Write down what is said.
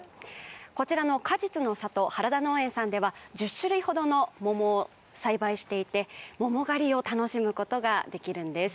こちらの果実の里原田農園さんでは１０種類ほどの桃を栽培していて桃狩りを楽しむことができるんです。